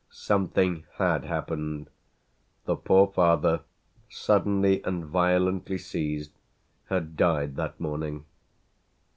Something had happened the poor father, suddenly and violently seized, had died that morning.